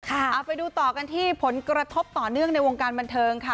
เอาไปดูต่อกันที่ผลกระทบต่อเนื่องในวงการบันเทิงค่ะ